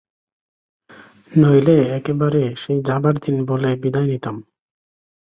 নইলে একেবারে সেই যাবার দিন বলে বিদায় নিতাম।